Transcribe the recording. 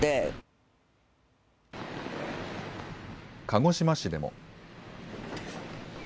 鹿児島市でも。